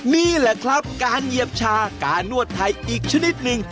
นี่แหละครับการเหยียบชาการนวดไทยอีกชนิดหนึ่ง